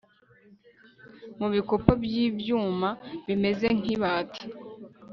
mu bikopo byibyuma bimeze nkibati